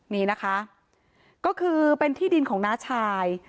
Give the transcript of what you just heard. นี่นะคะก็คือเป็นที่ดินของน้าชาย